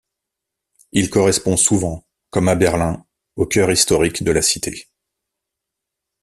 Il correspond souvent, comme à Berlin, au cœur historique de la cité.